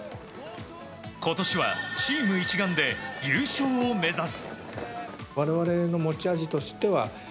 今年は、チーム一丸で優勝を目指す。